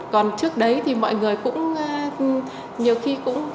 còn trước đấy thì mọi người cũng nhiều khi cũng